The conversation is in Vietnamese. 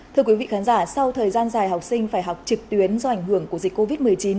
thưa quý vị khán giả sau thời gian dài học sinh phải học trực tuyến do ảnh hưởng của dịch covid một mươi chín